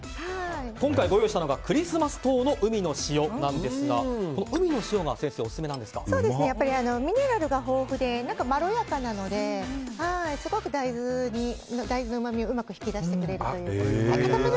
今回ご用意したのは海のお塩なんですがミネラルが豊富でまろやかなのですごく大豆のうまみをうまく引き出してくれます。